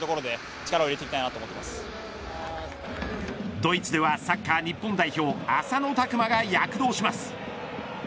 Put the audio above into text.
ドイツではサッカー日本代表浅野拓磨が躍動します。